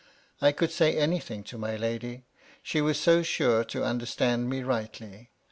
I could say any thing to my lady, she was so sure to understand me rightly.